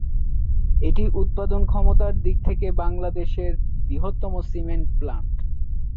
এটি উৎপাদন ক্ষমতার দিক থেকে বাংলাদেশের বৃহত্তম সিমেন্ট প্ল্যান্ট।